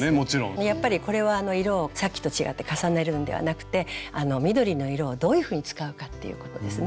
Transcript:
やっぱりこれは色をさっきと違って重ねるんではなくて緑の色をどういうふうに使うかっていうことですね。